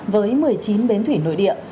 với một mươi chín bến thủy nội địa